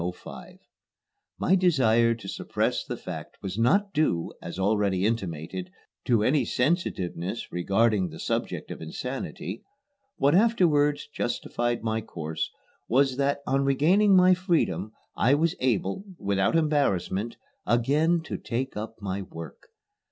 My desire to suppress the fact was not due, as already intimated, to any sensitiveness regarding the subject of insanity. What afterwards justified my course was that on regaining my freedom I was able, without embarrassment, again to take up my work.